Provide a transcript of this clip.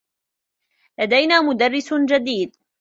لدينا مدرّس جديد.